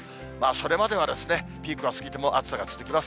それまではピークは過ぎても暑さが続きます。